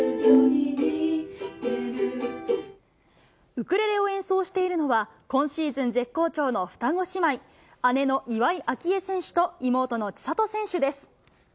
ウクレレを演奏しているのは、今シーズン絶好調の双子姉妹、姉の岩井明愛選手と、妹の千怜選手です。